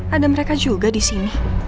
ada mereka juga disini